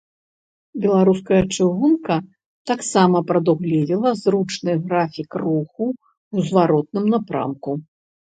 Беларуская чыгунка таксама прадугледзела зручны графік руху ў зваротным напрамку.